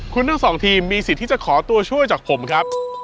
คุณทั้งสองทีมมีสิทธิ์ที่จะขอตัวช่วยจากผมครับ